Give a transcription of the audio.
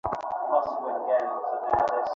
মহেন্দ্র গাড়ি করিয়া নিউ মার্কেটে বাজার করিতে গেল।